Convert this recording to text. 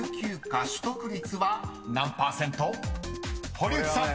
［堀内さん］